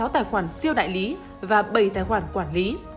bảy mươi sáu tài khoản siêu đại lý và bảy tài khoản quản lý